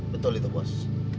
betul itu bos